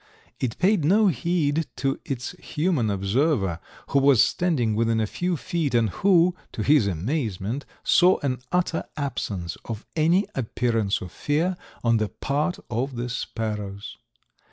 It paid no heed to its human observer, who was standing within a few feet and who, to his amazement, saw an utter absence of any appearance of fear on the part of the sparrows.